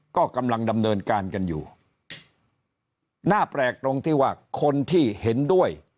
ก็กำลังดำเนินการกันอยู่น่าแปลกตรงที่ว่าคนที่เห็นด้วย